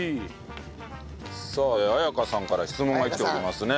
さあ彩芳さんから質問が来ておりますね。